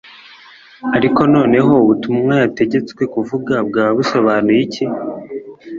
Ariko noneho ubutumwa yategetswe kuvuga bwaba busobanuye iki ?